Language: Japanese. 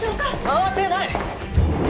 慌てない！